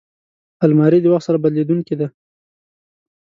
الماري د وخت سره بدلېدونکې ده